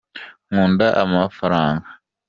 nkunda amafaranga